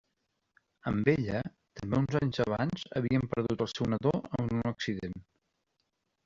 Amb ella, també uns anys abans havien perdut el seu nadó en un accident.